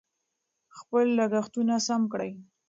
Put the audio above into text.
خپل لګښتونه سم کړئ.